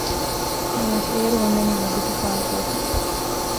ނަމަވެސް އޭރު އޮންނަނީ ވަގުތުފާއިތުވެފަ